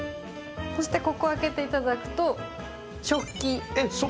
ここを開けていただくと食器。